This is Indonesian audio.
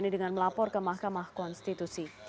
dengan melapor ke mahkamah konstitusi